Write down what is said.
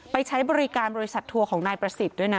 ใช้บริการบริษัททัวร์ของนายประสิทธิ์ด้วยนะ